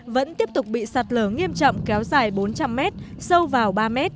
vẫn tiếp tục bị sạt lở nghiêm trọng kéo dài bốn trăm linh m sâu vào ba m